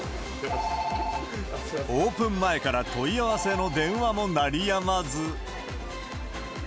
オープン前から問い合わせの電話も鳴りやまず。